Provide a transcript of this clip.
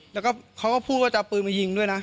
แล้วก็เขาก็พูดว่าจะเอาปืนมายิงด้วยนะ